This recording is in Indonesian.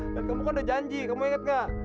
dan kamu kan udah janji kamu inget gak